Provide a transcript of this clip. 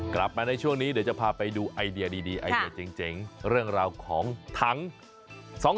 กลับมาในช่วงนี้เดี๋ยวจะพาไปดูไอเดียดีไอเดียเจ๋งเรื่องราวของถัง